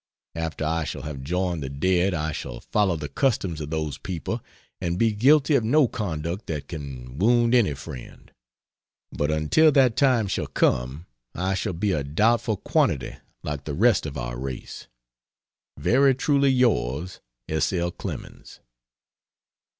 After I shall have joined the dead I shall follow the customs of those people and be guilty of no conduct that can wound any friend; but until that time shall come I shall be a doubtful quantity like the rest of our race. Very truly yours, S. L. CLEMENS.